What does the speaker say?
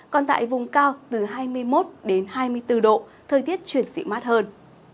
còn tại vùng cao từ hai mươi một đến hai mươi bốn độ thời tiết chuyển dị mát hơn